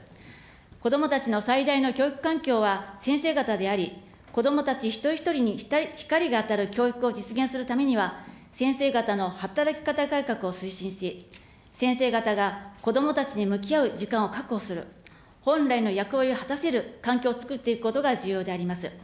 こどもたちの最大の教育環境は、先生方であり、子どもたち一人一人に光が当たる教育を実現するためには、先生方の働き方改革を推進し、先生方がこどもたちに向き合う時間を確保する、本来の役割を果たせる環境をつくっていくことが重要であります。